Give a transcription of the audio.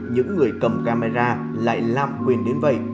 những người cầm camera lại làm quên đến vậy